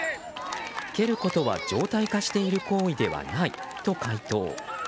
蹴ることは常態化している行為ではないと回答。